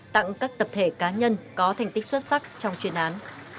tặng các tập thể cá nhân có thành tích xuất sắc trong chuyên án